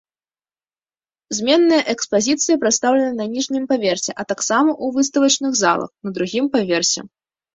Зменныя экспазіцыі прадстаўлены на ніжнім паверсе, а таксама ў выставачных залах на другім паверсе.